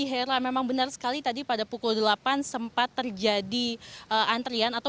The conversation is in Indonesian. hera memang benar sekali tadi pada pukul delapan sempat terjadi antrian